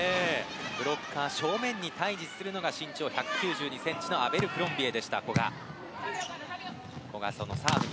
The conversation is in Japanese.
ブロッカー正面に対峙するのが身長１９２ｃｍのアベルクロンビエ。